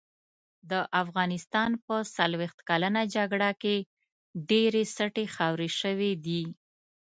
د افغانستان په څلوښت کلنه جګړه کې ډېرې سټې خاورې شوې دي.